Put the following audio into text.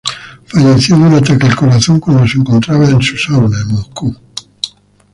Falleció de un ataque al corazón cuando se encontraba en su sauna, en Moscú.